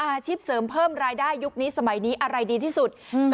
อาชีพเสริมเพิ่มรายได้ยุคนี้สมัยนี้อะไรดีที่สุดอืม